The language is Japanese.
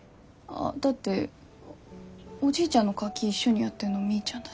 だっておじいちゃんのカキ一緒にやってんのみーちゃんだし。